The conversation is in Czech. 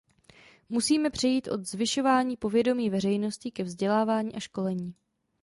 Musíme přejít od zvyšování povědomí veřejnosti ke vzdělávání a školení.